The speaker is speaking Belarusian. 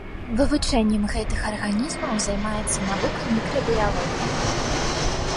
Вывучэннем гэтых арганізмаў займаецца навука мікрабіялогія.